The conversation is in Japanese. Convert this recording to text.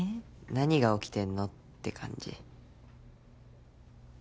何が起きてんの？って感じ。